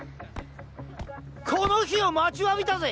この日を待ちわびたぜ！